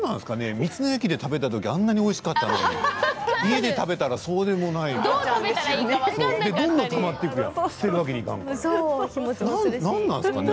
道の駅で食べたときにあんなにおいしかったのに家で食べたらそうでもないとかどんどんたまっていくんですよね。